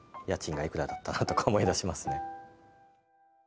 家賃がいくらだったなとか思い出しますね。